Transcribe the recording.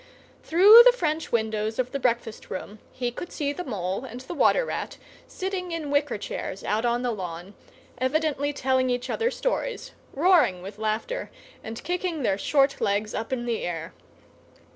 Through the French windows of the breakfast room he could see the Mole and the Water Rat sitting in wicker chairs out on the lawn, evidently telling each other stories; roaring with laughter and kicking their short legs up in the air.